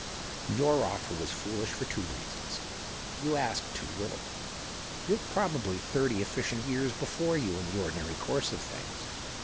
"Your ofter w^as foolish for two reasons. You asked too little. You have probably thirty efficient years before you in the ordinary course of things."